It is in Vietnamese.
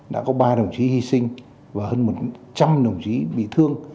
đã có ba đồng chí hy sinh và hơn một trăm linh đồng chí bị thương